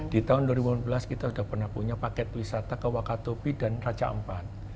di tahun dua ribu lima belas kita sudah pernah punya paket wisata ke wakatobi dan raja ampat